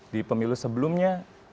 di pemilu sebelumnya